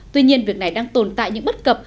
tuy nhiên việc này đang tồn tại những bất cập